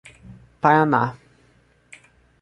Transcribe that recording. Paraná